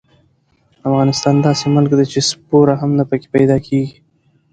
افغانستان داسې ملک دې چې سپوره هم نه پکې پیدا کېږي.